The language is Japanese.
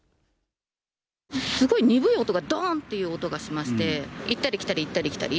すごい鈍い音が、どんっていう音がしまして、行ったり来たり、行ったり来たり。